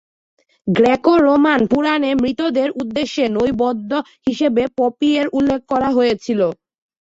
Graeco-Roman পুরাণে মৃতদের উদ্দেশ্যে নৈবেদ্য হিসাবে পপি এর উল্লেখ করা হয়েছিল।